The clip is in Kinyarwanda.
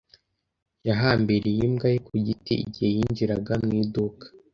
Yahambiriye imbwa ye ku giti igihe yinjiraga mu iduka.